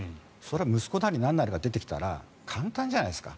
息子なりなんなりが出てきたら簡単じゃないですか。